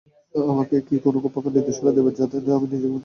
আমাকে কি কোন প্রকার নির্দেশনা দেবেন যাতে আমি নিজেকে নিরাপদ মনে করতে পারি?